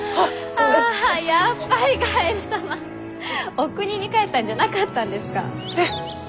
おくにに帰ったんじゃなかったんですか？